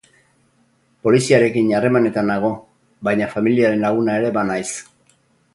Poliziarekin harremanetan nago, baina familiaren laguna ere banaiz.